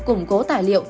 củng cố tài liệu